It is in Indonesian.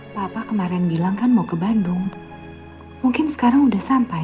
papa kemarin bilang kan mau ke bandung mungkin sekarang sudah sampai